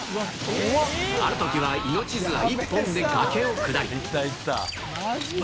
あるときは命綱１本で崖を下り。